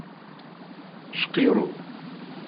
Cqirru.